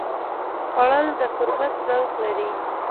خوړل د قربت ذوق لري